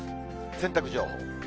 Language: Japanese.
洗濯情報。